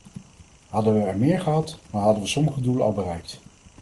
Hadden we er meer gehad dan hadden we sommige doelen al bereikt.